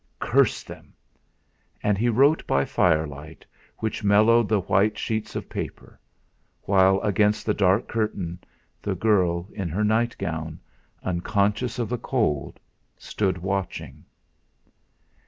Curse them! And he wrote by firelight which mellowed the white sheets of paper; while, against the dark curtain, the girl, in her nightgown, unconscious of the cold, stood watching.